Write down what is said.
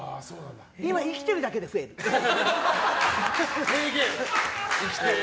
今、生きてるだけで増えてる。